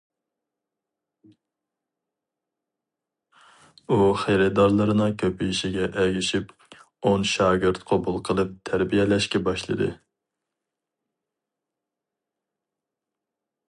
ئۇ خېرىدارلىرىنىڭ كۆپىيىشىگە ئەگىشىپ، ئون شاگىرت قوبۇل قىلىپ تەربىيەلەشكە باشلىدى.